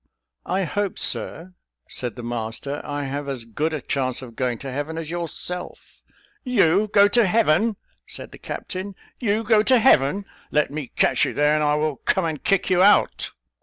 "I hope, Sir," said the master, "I have as good a chance of going to Heaven as yourself." "You go to Heaven!" said the captain, "you go to Heaven! Let me catch you there, and I will come and kick you out."